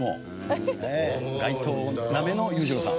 「街灯なめの裕次郎さん」